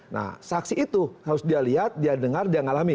nah saksi itu harus dia lihat dia dengar dia ngalami